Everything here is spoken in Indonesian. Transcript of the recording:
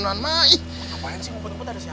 ngumpul ngumpul ada siapa sih